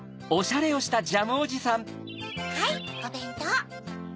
はいおべんとう。